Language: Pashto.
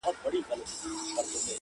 • هم انارګل وي هم نوبهار وي -